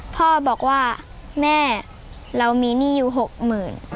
พ่อบอกว่าแม่เรามีหนี้อยู่๖๐๐๐บาท